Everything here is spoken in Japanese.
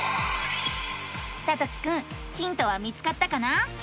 さときくんヒントは見つかったかな？